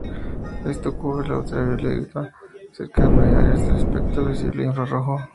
Esto cubre el ultravioleta cercano, y las áreas del espectro visible e infrarrojo.